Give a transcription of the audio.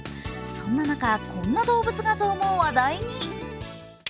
そんな中、こんな動物画像も話題に。